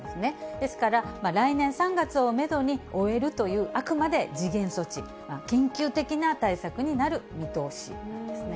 ですから、来年３月をメドに、終えるというあくまで時限措置、緊急的な対策になる見通しなんですね。